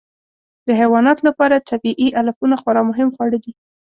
د حیواناتو لپاره طبیعي علفونه خورا مهم خواړه دي.